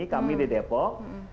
kami di depok